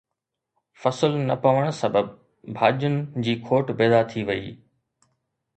فصل نه پوڻ سبب ڀاڄين جي کوٽ پيدا ٿي وئي